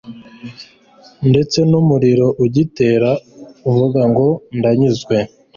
ndetse n'umuriro utigera uvuga ngo ndanyuzwe